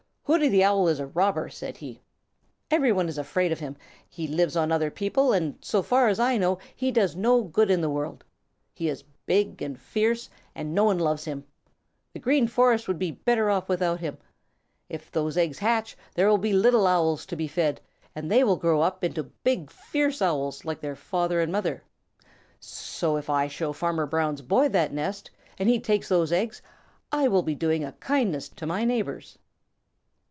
"Hooty the Owl is a robber," said he. "Everybody is afraid of him. He lives on other people, and so far as I know he does no good in the world. He is big and fierce, and no one loves him. The Green Forest would be better off without him. If those eggs hatch, there will be little Owls to be fed, and they will grow up into big fierce Owls, like their father and mother. So if I show Farmer Brown's boy that nest and he takes those eggs, I will be doing a kindness to my neighbors."